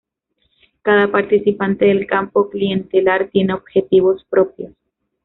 Cada participante del campo clientelar tiene objetivos propios.